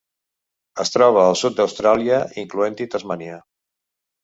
Es troba al sud d'Austràlia, incloent-hi Tasmània.